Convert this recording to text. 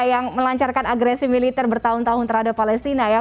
yang melancarkan agresi militer bertahun tahun terhadap palestina ya